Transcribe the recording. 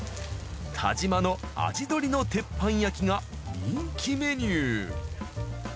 但馬の味どりの鉄板焼きが人気メニュー。